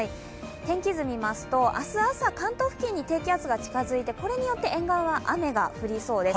天気図見ますと、明日朝、関東付近に低気圧が近づいてこれによって沿岸は雨が降りそうです。